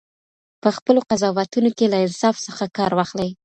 په خپلو قضاوتونو کې له انصاف څخه کار واخلئ.